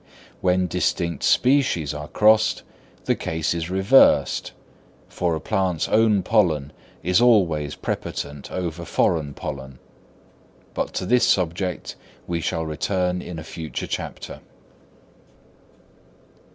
When distinct species are crossed the case is reversed, for a plant's own pollen is always prepotent over foreign pollen; but to this subject we shall return in a future chapter.